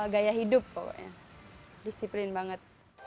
gaya hidup pokoknya disiplin banget